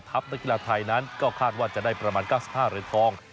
นักกีฬาไทยนั้นก็คาดว่าจะได้ประมาณ๙๕เหรียญทอง